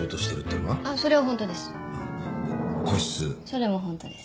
それもホントです。